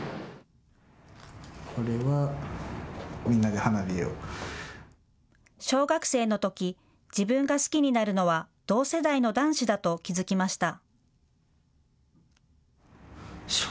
これは、みんなで花火を。小学生のとき自分が好きになるのは同世代の男子だと気付きました。